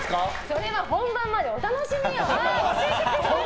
それは本番までお楽しみよ！